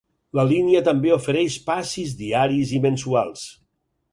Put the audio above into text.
La línia també ofereix passis diaris i mensuals.